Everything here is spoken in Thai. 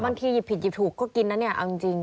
หยิบผิดหยิบถูกก็กินนะเนี่ยเอาจริง